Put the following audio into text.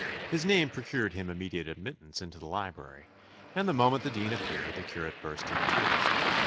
His name procured him immediate admittance into the library, and the moment the dean appeared the curate burst into tears.